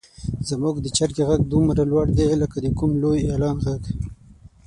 زموږ د چرګې غږ دومره لوړ دی لکه د کوم لوی اعلان غږ.